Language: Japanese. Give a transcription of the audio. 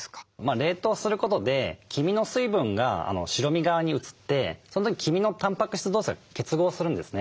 冷凍することで黄身の水分が白身側に移ってその時黄身のたんぱく質同士が結合するんですね。